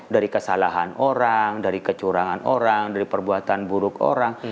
dari kesalahan orang dari kecurangan orang dari perbuatan buruk orang